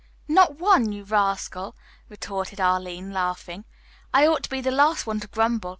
"Not one, you rascal," retorted Arline, laughing. "I ought to be the last one to grumble.